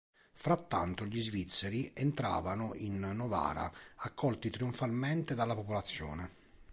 Frattanto gli Svizzeri entravano in Novara accolti trionfalmente dalla popolazione.